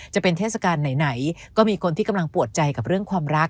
จะเป็นเทศกาลไหนก็มีคนที่กำลังปวดใจกับเรื่องความรัก